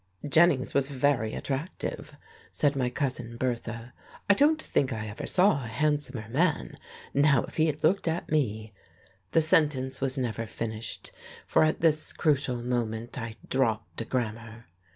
"Jennings was very attractive," said my Cousin Bertha. "I don't think I ever saw a handsomer man. Now, if he had looked at me " The sentence was never finished, for at this crucial moment I dropped a grammar....